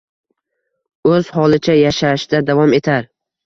O’z holicha yashashda davom etar.